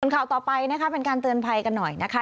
ข่าวต่อไปนะคะเป็นการเตือนภัยกันหน่อยนะคะ